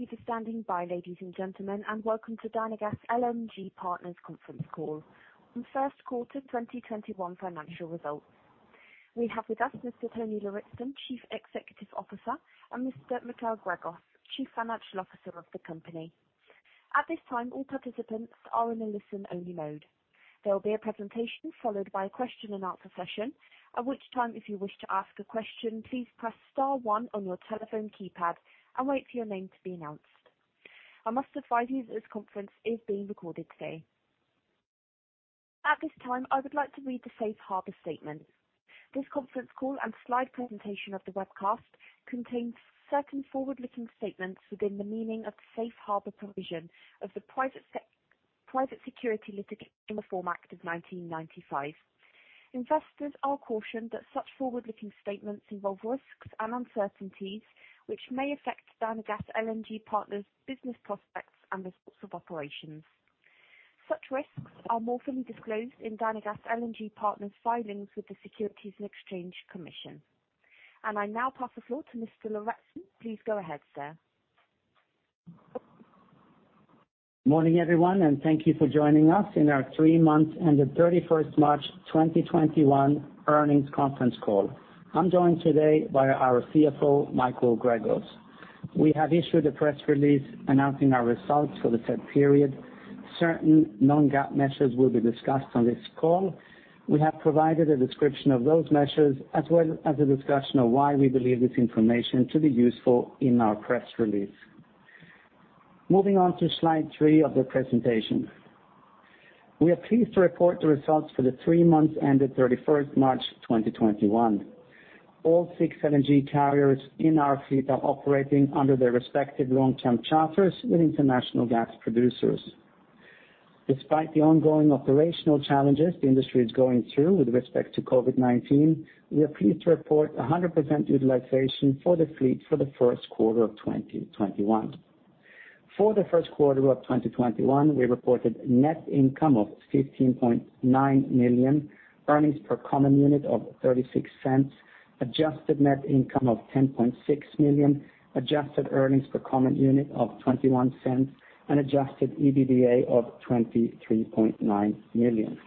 Thank you for standing by, ladies and gentlemen, and welcome to Dynagas LNG Partners conference call on first quarter 2021 financial results. We have with us Mr. Tony Lauritzen, Chief Executive Officer, and Mr. Michael Gregos, Chief Financial Officer of the company. At this time, all participants are in a listen-only mode. There will be a presentation followed by a question and answer session, at which time if you wish to ask a question, please press star one on your telephone keypad and wait for your name to be announced. I must advise you that this conference is being recorded today. At this time, I would like to read the safe harbor statement. This conference call and slide presentation of the webcast contains certain forward-looking statements within the meaning of the safe harbor provision of the Private Securities Litigation Reform Act of 1995. Investors are cautioned that such forward-looking statements involve risks and uncertainties which may affect Dynagas LNG Partners' business prospects and results of operations. Such risks are more fully disclosed in Dynagas LNG Partners' filings with the Securities and Exchange Commission. I now pass the floor to Mr. Lauritzen. Please go ahead, sir. Morning, everyone, and thank you for joining us in our three months ended 31st March 2021 earnings conference call. I'm joined today by our CFO, Michael Gregos. We have issued a press release announcing our results for the said period. Certain non-GAAP measures will be discussed on this call. We have provided a description of those measures as well as a discussion of why we believe this information to be useful in our press release. Moving on to slide three of the presentation. We are pleased to report the results for the three months ended 31st March 2021. All six LNG carriers in our fleet are operating under their respective long-term charters with international gas producers. Despite the ongoing operational challenges the industry is going through with respect to COVID-19, we are pleased to report 100% utilization for the fleet for the first quarter of 2021. For the first quarter of 2021, we reported net income of $15.9 million, earnings per common unit of $0.36, adjusted net income of $10.6 million, adjusted earnings per common unit of $0.21, and adjusted EBITDA of $23.9 million.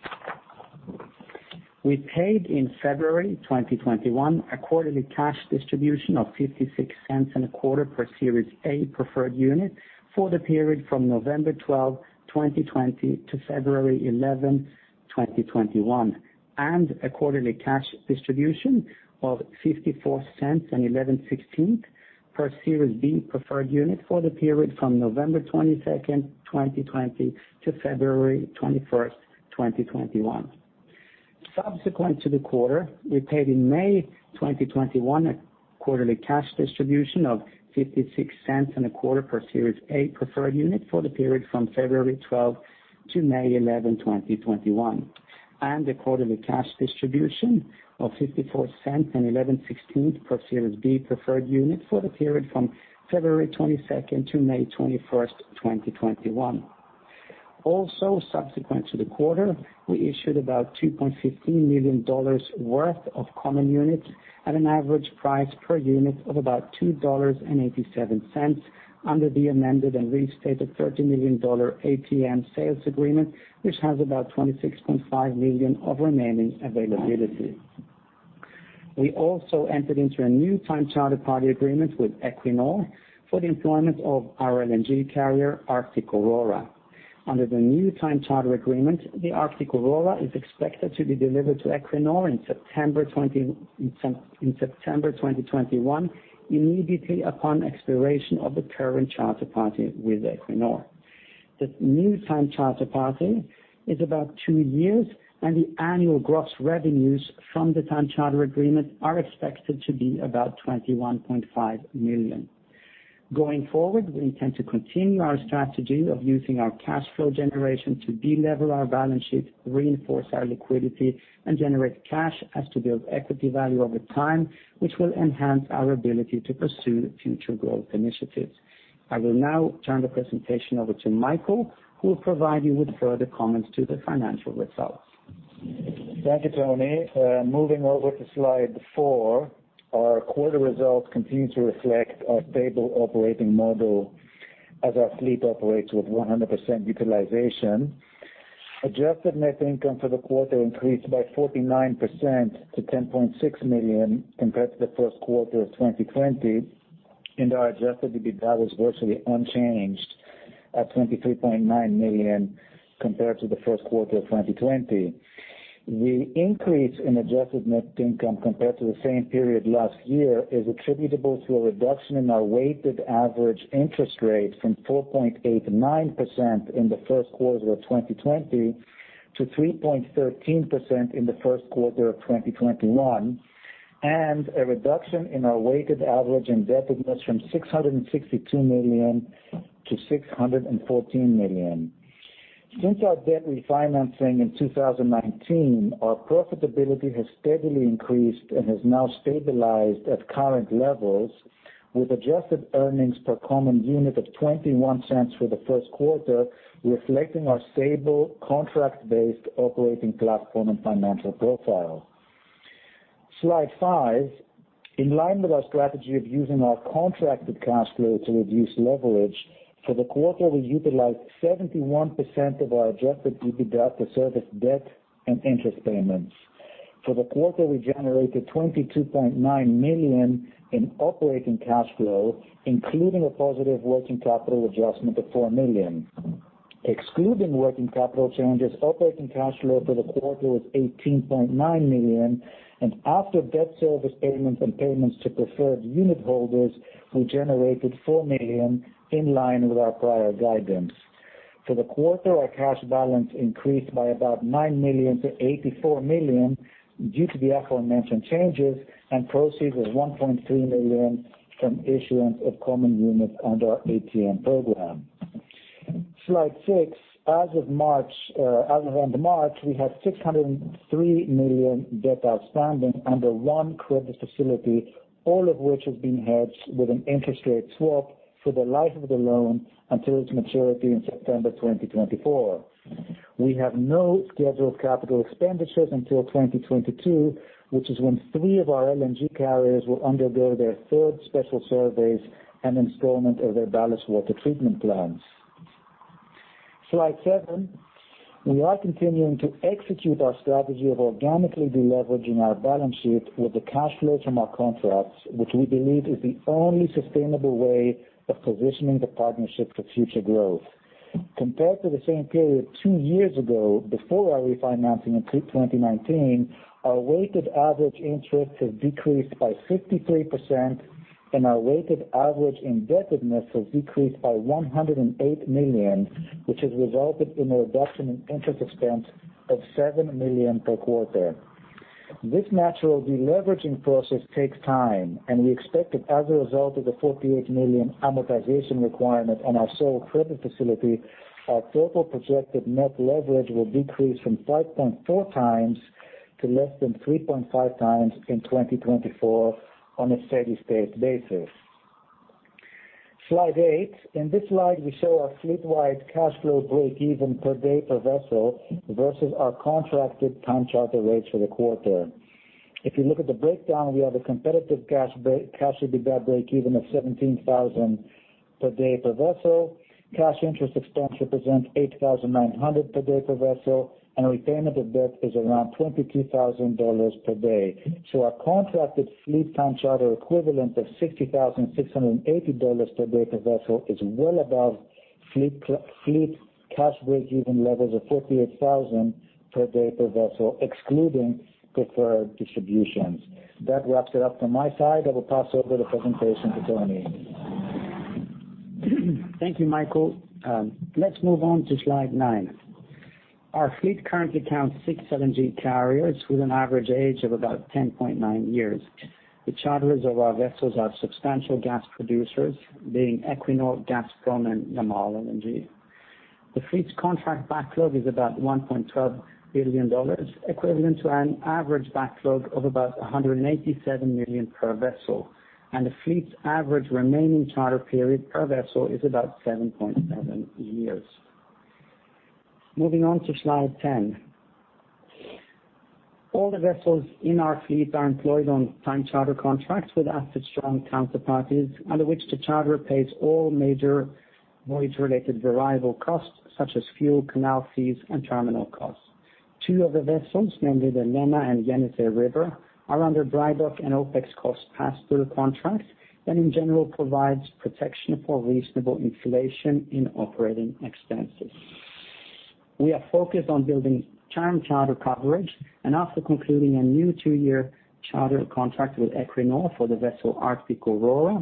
We paid in February 2021 a quarterly cash distribution of 56 cents and a quarter per Series A preferred unit for the period from November 12, 2020 to February 11, 2021. A quarterly cash distribution of 54 cents and 11/16th per Series B preferred unit for the period from November 22nd, 2020 to February 21st, 2021. Subsequent to the quarter, we paid in May 2021 a quarterly cash distribution of 56 cents and a quarter per Series A preferred unit for the period from February 12 to May 11, 2021. A quarterly cash distribution of 54 cents and 11/16th per Series B Preferred Unit for the period from February 22nd to May 21st, 2021. Subsequent to the quarter, we issued about $2.15 million worth of common units at an average price per unit of about $2.87 under the amended and restated $30 million ATM sales agreement, which has about $26.5 million of remaining availability. We entered into a new time charter party agreement with Equinor for the employment of our LNG carrier, Arctic Aurora. Under the new time charter agreement, the Arctic Aurora is expected to be delivered to Equinor in September 2021, immediately upon expiration of the current charter party with Equinor. The new time charter party is about two years, the annual gross revenues from the time charter agreement are expected to be about $21.5 million. Going forward, we intend to continue our strategy of using our cash flow generation to de-lever our balance sheet, reinforce our liquidity, and generate cash as to build equity value over time, which will enhance our ability to pursue future growth initiatives. I will now turn the presentation over to Michael, who will provide you with further comments to the financial results. Thank you, Tony. Moving over to slide four, our quarter results continue to reflect our stable operating model as our fleet operates with 100% utilization. Adjusted net income for the quarter increased by 49% to $10.6 million compared to the first quarter of 2020. Our adjusted EBITDA was virtually unchanged at $23.9 million compared to the first quarter of 2020. The increase in adjusted net income compared to the same period last year is attributable to a reduction in our weighted average interest rate from 4.89% in the first quarter of 2020 to 3.13% in the first quarter of 2021. A reduction in our weighted average indebtedness from $662 million to $614 million. Since our debt refinancing in 2019, our profitability has steadily increased and has now stabilized at current levels with adjusted earnings per common unit of $0.21 for the first quarter, reflecting our stable contract-based operating platform and financial profile. Slide five. In line with our strategy of using our contracted cash flow to reduce leverage, for the quarter, we utilized 71% of our adjusted EBITDA to service debt and interest payments. For the quarter, we generated $22.9 million in operating cash flow, including a positive working capital adjustment of $4 million. Excluding working capital changes, operating cash flow for the quarter was $18.9 million, and after debt service payments and payments to preferred unit holders, we generated $4 million in line with our prior guidance. For the quarter, our cash balance increased by about $9 million to $84 million due to the aforementioned changes and proceeds of $1.3 million from issuance of common units under our ATM program. Slide six. As of the end of March, we had $603 million debt outstanding under one credit facility, all of which have been hedged with an interest rate swap for the life of the loan until its maturity in September 2024. We have no scheduled capital expenditures until 2022, which is when three of our LNG carriers will undergo their third special surveys and installment of their ballast water treatment systems. Slide seven. We are continuing to execute our strategy of organically deleveraging our balance sheet with the cash flow from our contracts, which we believe is the only sustainable way of positioning the partnership for future growth. Compared to the same period two years ago, before our refinancing in 2019, our weighted average interest has decreased by 53%, and our weighted average indebtedness has decreased by $108 million, which has resulted in a reduction in interest expense of $7 million per quarter. This natural de-leveraging process takes time, and we expect that as a result of the $48 million amortization requirement on our sole credit facility, our total projected net leverage will decrease from 5.4x to less than 3.5x in 2024 on a steady-state basis. Slide eight. In this slide, we show our fleet-wide cash flow breakeven per day per vessel versus our contracted time charter rates for the quarter. If you look at the breakdown, we have a competitive cash to EBITDA breakeven of $17,000 per day per vessel. Cash interest expense represents $8,900 per day per vessel, and repayment of debt is around $22,000 per day. Our contracted fleet time charter equivalent of $60,680 per day per vessel is well above fleet cash breakeven levels of $48,000 per day per vessel, excluding preferred distributions. That wraps it up for my side. I will pass over the presentation to Tony. Thank you, Michael. Let's move on to slide nine. Our fleet currently counts six LNG carriers with an average age of about 10.9 years. The charterers of our vessels are substantial gas producers, being Equinor, Gazprom, and Yamal LNG. The fleet's contract backlog is about $1.12 billion, equivalent to an average backlog of about $187 million per vessel, and the fleet's average remaining charter period per vessel is about 7.7 years. Moving on to slide 10. All the vessels in our fleet are employed on time charter contracts with asset-strong counterparties, under which the charterer pays all major voyage-related variable costs such as fuel, canal fees, and terminal costs. Two of the vessels, namely the Lena River and Yenisei River, are under dry dock and OpEx cost pass-through contracts that in general provides protection for reasonable inflation in operating expenses. We are focused on building term charter coverage, and after concluding a new two-year charter contract with Equinor for the vessel Arctic Aurora,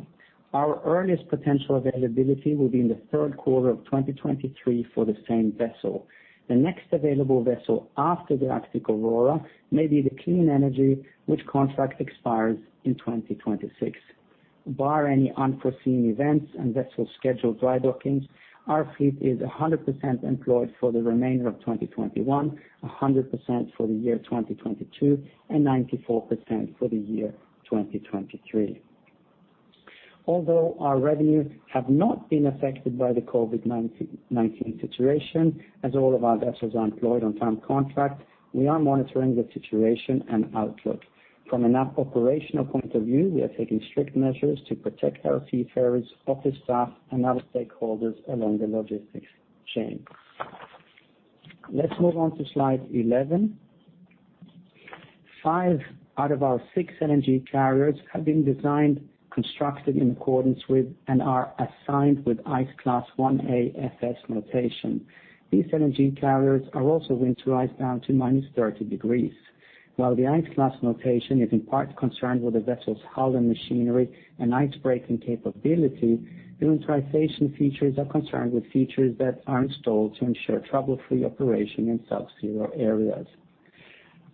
our earliest potential availability will be in the third quarter of 2023 for the same vessel. The next available vessel after the Arctic Aurora may be the Clean Energy, which contract expires in 2026. Barring any unforeseen events and vessel scheduled dry dockings, our fleet is 100% employed for the remainder of 2021, 100% for the year 2022, and 94% for the year 2023. Although our revenues have not been affected by the COVID-19 situation, as all of our vessels are employed on time contract, we are monitoring the situation and outlook. From an operational point of view, we are taking strict measures to protect our seafarers, office staff, and other stakeholders along the logistics chain. Let's move on to slide 11. five out of our six LNG carriers have been designed, constructed in accordance with, and are assigned with Ice Class 1A FS notation. These LNG carriers are also winterized down to -30 degrees. While the Ice Class notation is in part concerned with the vessel's hull and machinery and icebreaking capability, winterization features are concerned with features that are installed to ensure trouble-free operation in subzero areas.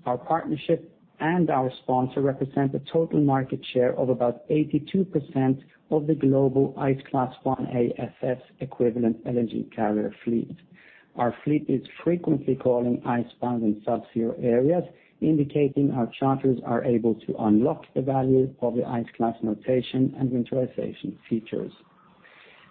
Our partnership and our sponsor represent a total market share of about 82% of the global Ice Class 1A FS equivalent LNG carrier fleet. Our fleet is frequently calling ice-bound and subzero areas, indicating our charters are able to unlock the value of the Ice Class notation and winterization features.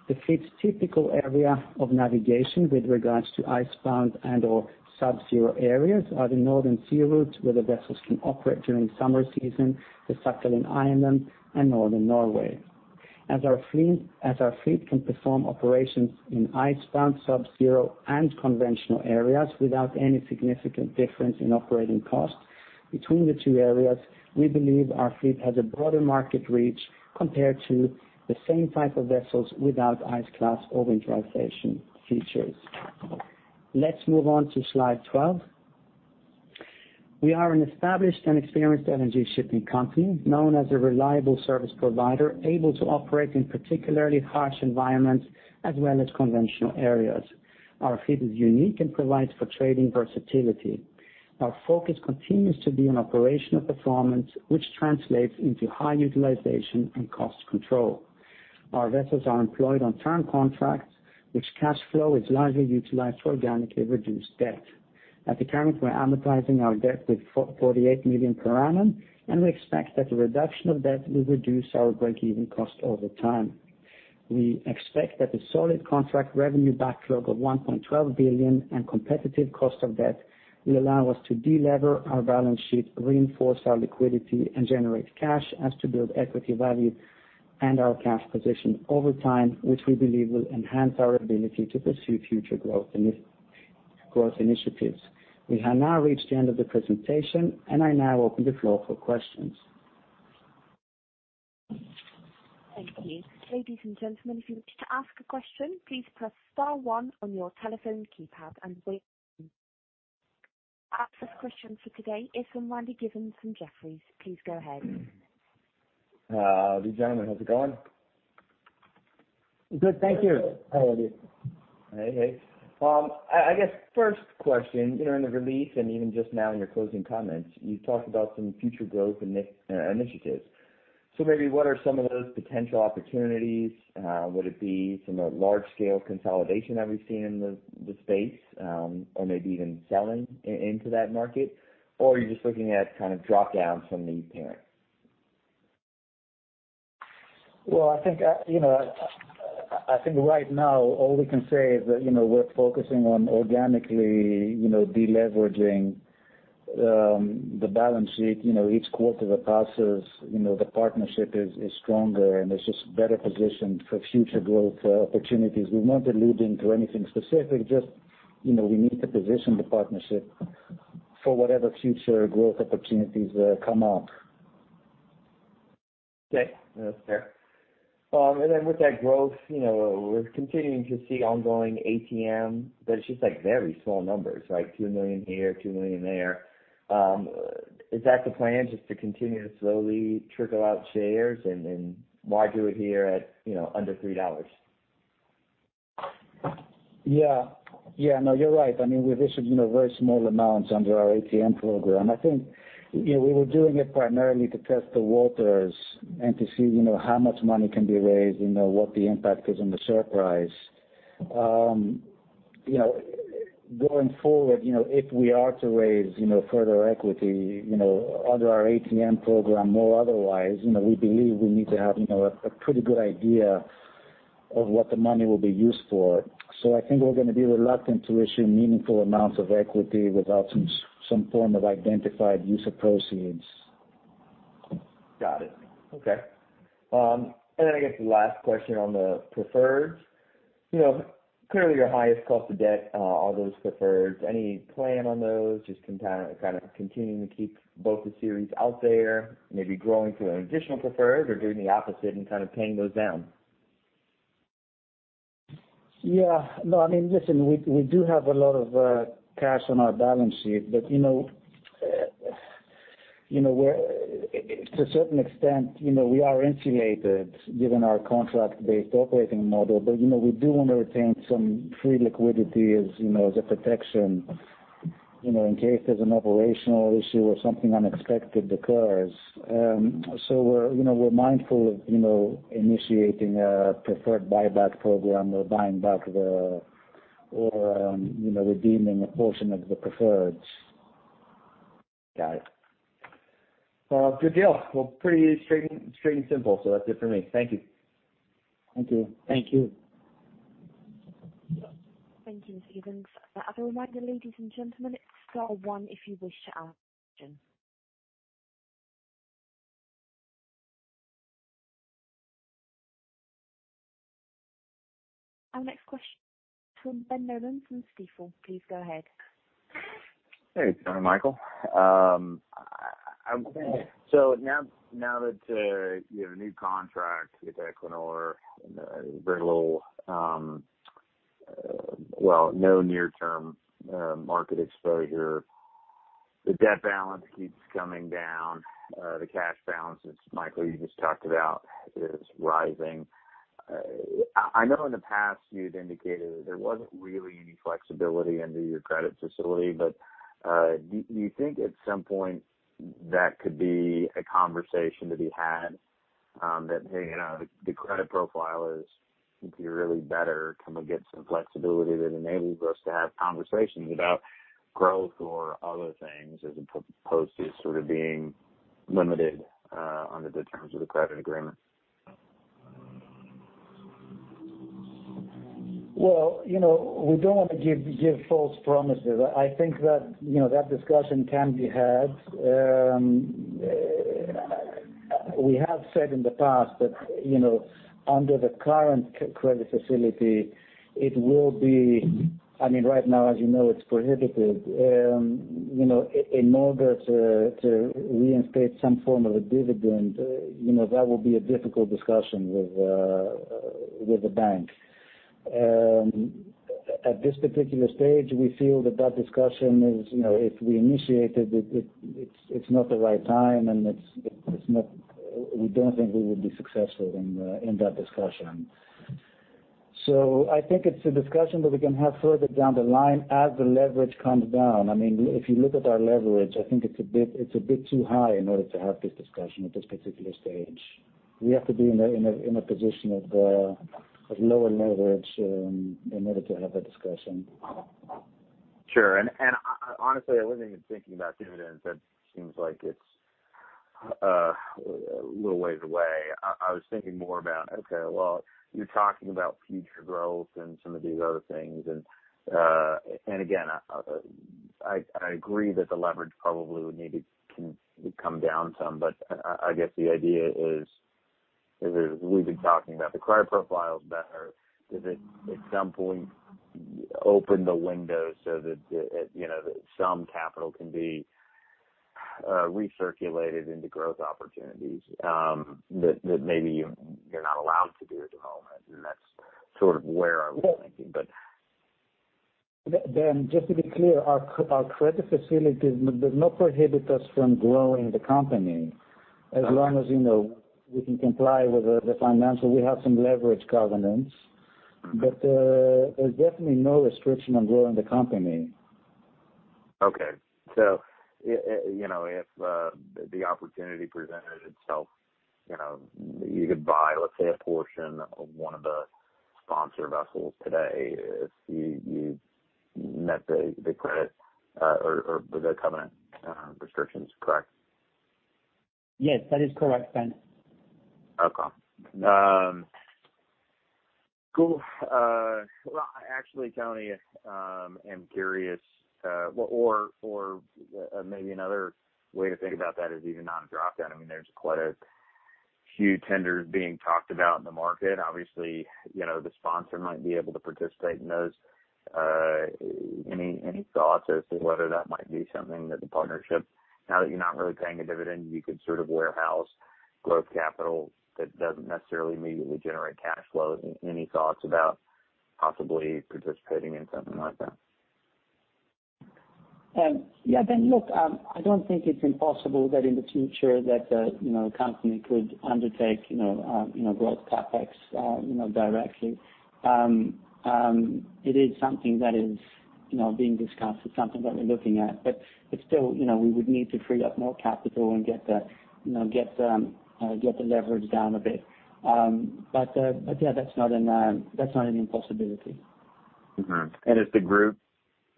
The fleet's typical area of navigation with regards to icebound and/or sub-zero areas are the Northern Sea Routes where the vessels can operate during summer season, the Sakhalin Island and northern Norway. As our fleet can perform operations in icebound, sub-zero, and conventional areas without any significant difference in operating costs between the two areas, we believe our fleet has a broader market reach compared to the same type of vessels without ice class or winterization features. Let's move on to slide 12. We are an established and experienced LNG shipping company, known as a reliable service provider, able to operate in particularly harsh environments as well as conventional areas. Our fleet is unique and provides for trading versatility. Our focus continues to be on operational performance, which translates into high utilization and cost control. Our vessels are employed on term contracts, which cash flow is largely utilized to organically reduce debt. At the current, we're amortizing our debt with $48 million per annum, and we expect that the reduction of debt will reduce our break-even cost over time. We expect that the solid contract revenue backlog of $1.12 billion and competitive cost of debt will allow us to de-lever our balance sheet, reinforce our liquidity, and generate cash as we build equity value and our cash position over time, which we believe will enhance our ability to pursue future growth initiatives. We have now reached the end of the presentation and I now open the floor for questions. Thank you. Ladies and gentlemen, if you would like to ask a question, please press star one on your telephone keypad. Our first question for today is from Randy Giveans from Jefferies. Please go ahead. Hi, good morning. How's it going? Good, thank you. Hi. I guess first question, during the release and even just now in your closing comments, you talked about some future growth initiatives. Maybe what are some of those potential opportunities? Would it be some large-scale consolidation that we've seen in the space, or maybe even selling into that market? Are you just looking at drop-downs from these parents? Well, I think right now all we can say is that we're focusing on organically de-leveraging the balance sheet. Each quarter that passes, the Partnership is stronger, and it's just better positioned for future growth opportunities. We're not alluding to anything specific, just we need to position the Partnership for whatever future growth opportunities come up. Okay. No, fair. With that growth, we're continuing to see ongoing ATM, but it's just very small numbers, right? $2 million here, $2 million there. Is that the plan, just to continue to slowly trickle out shares and why do it here at under $3? Yeah. No, you're right. I mean, we're just very small amounts under our ATM program. I think we were doing it primarily to test the waters and to see how much money can be raised and what the impact is on the share price. Going forward, if we are to raise further equity under our ATM program or otherwise, we believe we need to have a pretty good idea of what the money will be used for. I think we're going to be reluctant to issue meaningful amounts of equity without some form of identified use of proceeds. Got it. Okay. I guess the last question on the preferred. Clearly your highest cost of debt are those preferreds. Any plan on those, just kind of continuing to keep both the Series out there, maybe growing to an additional preferred or doing the opposite and kind of paying those down? Yeah. No, I mean, listen, we do have a lot of cash on our balance sheet, but to a certain extent, we are insulated given our contract-based operating model. We do want to retain some free liquidity as a protection in case there's an operational issue or something unexpected occurs. We're mindful of initiating a preferred buyback program or buying back or redeeming a portion of the preferreds. Got it. Good deal. Well, pretty straight and simple. That's it for me. Thank you. Thank you. Thank you. Other lines, ladies and gentlemen, star one if you wish to ask a question. Our next question from Ben Nolan from Stifel, please go ahead. Hey, Michael. Now that you have a new contract with Equinor and well, no near-term market exposure, the debt balance keeps coming down. The cash balance, as Michael, you just talked about, is rising. I know in the past you had indicated that there wasn't really any flexibility under your credit facility, do you think at some point that could be a conversation to be had that the credit profile is really better, can we get some flexibility that enables us to have conversations about growth or other things as opposed to sort of being limited on the terms of the credit agreement? Well, we don't want to give false promises. I think that discussion can be had. We have said in the past that under the current credit facility, Right now, as you know, it's prohibited. In order to reinstate some form of a dividend, that will be a difficult discussion with the bank. At this particular stage, we feel that discussion, if we initiate it's not the right time, and we don't think we would be successful in that discussion. I think it's a discussion that we can have further down the line as the leverage comes down. If you look at our leverage, I think it's a bit too high in order to have this discussion at this particular stage. We have to be in a position of lower leverage in order to have that discussion. Sure. Honestly, I wasn't even thinking about dividends. That seems like it's a little ways away. I was thinking more about, okay, well, you're talking about future growth and some of these other things. Again, I agree that the leverage probably would need to come down some, but I guess the idea is, we've been talking about the credit profile is better. Does it at some point open the window so that some capital can be recirculated into growth opportunities that maybe you're not allowed to do at the moment? That's sort of where I was thinking. Ben, just to be clear, our credit facility does not prohibit us from growing the company. As long as we can comply with the financial, we have some leverage covenants. There's definitely no restriction on growing the company. If the opportunity presented itself, you could buy, let's say, a portion of one of the sponsor vessels today if you met the credit or the covenant restrictions, correct? Yes, that is correct, Ben. Okay. Cool. Well, actually, Tony, I am curious, or maybe another way to think about that is even on a drop-down, there's quite a few tenders being talked about in the market. Obviously, the sponsor might be able to participate in those. Any thoughts as to whether that might be something that the partnership, now that you're not really paying a dividend, you could sort of warehouse growth capital that doesn't necessarily immediately generate cash flows? Any thoughts about possibly participating in something like that? Yeah, Ben, look, I don't think it's impossible that in the future that the company could undertake growth CapEx directly. It is something that is being discussed. It's something that we're looking at. Still, we would need to free up more capital and get the leverage down a bit. Yeah, that's not an impossibility. Is the group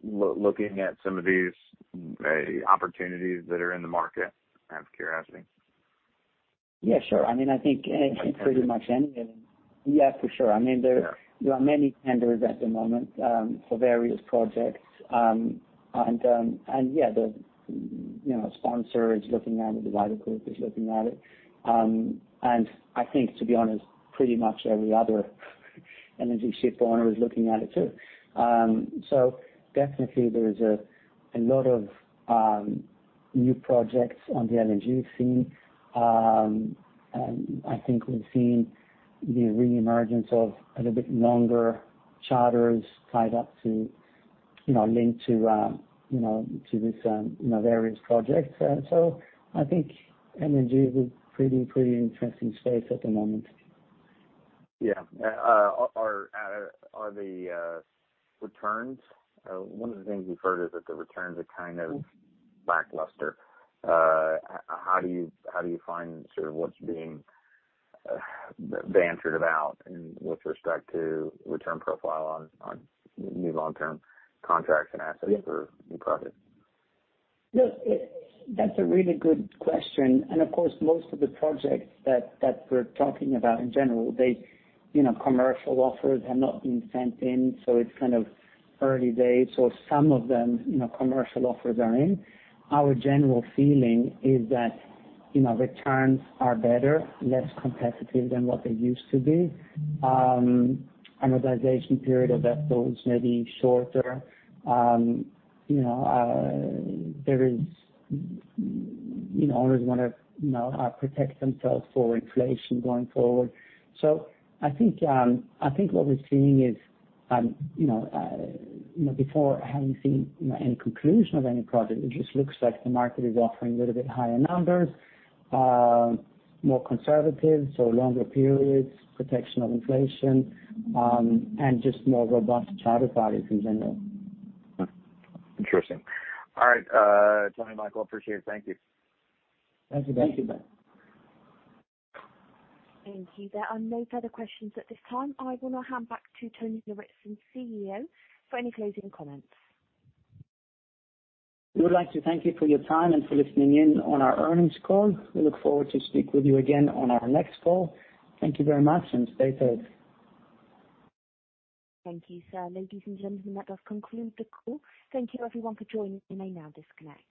looking at some of these opportunities that are in the market? I'm curious. Yeah, sure. I think pretty much any of them. Yeah, for sure. There are many tenders at the moment for various projects. Yeah, the sponsor is looking at it, the wider group is looking at it. I think, to be honest, pretty much every other LNG ship owner is looking at it too. Definitely there is a lot of new projects on the LNG scene. I think we've seen the reemergence of a little bit longer charters tied up to this various projects. I think LNG is a pretty interesting space at the moment. Yeah. One of the things we've heard is that the returns are kind of lackluster. How do you find sort of what's being bantered about with respect to return profile on new long-term contracts and assets or new projects? Look, that's a really good question. Of course, most of the projects that we're talking about in general, commercial offers have not been sent in, so it's kind of early days. Some of them, commercial offers are in. Our general feeling is that returns are better, less competitive than what they used to be. Amortization period of vessels may be shorter. Owners want to protect themselves for inflation going forward. I think what we're seeing is, before having seen any conclusion of any project, it just looks like the market is offering a little bit higher numbers, more conservative, so longer periods, protection of inflation, and just more robust charter parties in general. Interesting. All right. Tony, Michael, I appreciate it. Thank you. Thank you, Ben. Thank you. There are no further questions at this time. I will now hand back to Tony Lauritzen, CEO, for any closing comments. We would like to thank you for your time and for listening in on our earnings call. We look forward to speak with you again on our next call. Thank you very much, and stay tuned. Thank you, sir. Ladies and gentlemen, that does conclude the call. Thank you everyone for joining. You may now disconnect.